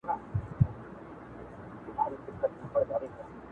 کومول هم د څه انعام لپاره تم سو!.